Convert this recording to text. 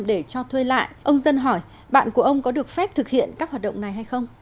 để cho thuê lại ông dân hỏi bạn của ông có được phép thực hiện các hoạt động này hay không